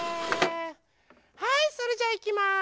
はいそれじゃいきます。